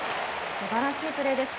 すばらしいプレーでした。